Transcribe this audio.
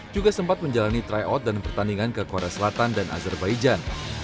juga sempat menjalani tryout dan pertandingan ke korea selatan dan azerbaijan